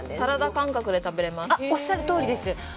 おっしゃるとおりです。